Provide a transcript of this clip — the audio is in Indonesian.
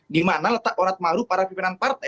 di mana letak orang yang malu pada pimpinan partai